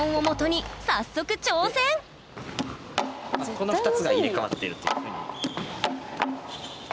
この２つが入れ代わってるっていうふうに。